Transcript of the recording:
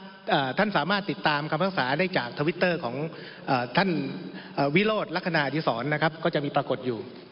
ท่านสามารถติดตามคำภาษาได้จากทวิตเตอร์ของอ่าท่านวิโรธลักษณะอดีศรนะครับก็จะมีปรากฏอยู่